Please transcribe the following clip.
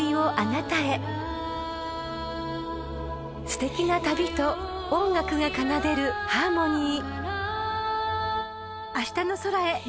［すてきな旅と音楽が奏でるハーモニー］